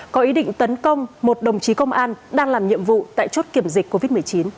có ý định tấn công một đồng chí công an đang làm nhiệm vụ tại chốt kiểm dịch covid một mươi chín